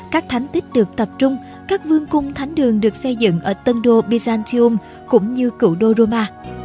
các thánh tích được tập trung các vương cung thánh đường được xây dựng ở tân đô byzantium cũng như cựu đô roma